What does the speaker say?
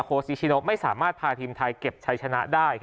นิชิโนไม่สามารถพาทีมไทยเก็บชัยชนะได้